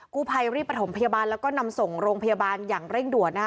กู้ภัยรีบประถมพยาบาลแล้วก็นำส่งโรงพยาบาลอย่างเร่งด่วนนะคะ